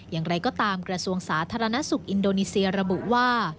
อย่างไรก็ตามกระทรวงสาธารณสุขอินโดนีเซียระบุว่า